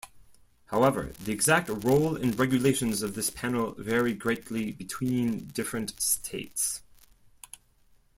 However, the exact role and regulations of this panel vary greatly between different states.